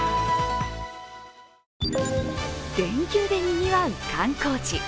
連休でにぎわう観光地。